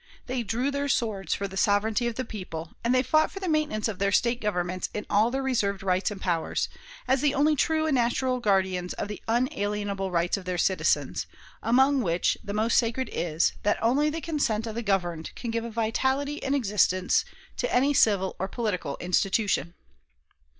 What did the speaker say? They drew their swords for the sovereignty of the people, and they fought for the maintenance of their State governments in all their reserved rights and powers, as the only true and natural guardians of the unalienable rights of their citizens, among which the most sacred is, that only the consent of the governed can give vitality and existence to any civil or political institution.